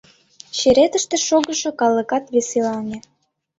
Черетыште шогышо калыкат веселаҥе.